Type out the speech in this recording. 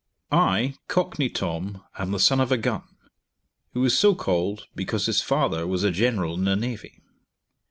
I, Cockney Tom, am the son of a gun, who was so called because his father was a general in the Navy.